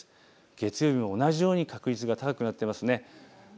月曜日も同じように確率が高くなっています。